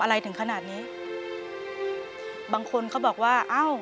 เปลี่ยนเพลงเก่งของคุณและข้ามผิดได้๑คำ